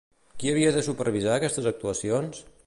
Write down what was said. Qui havia de supervisar aquestes actuacions?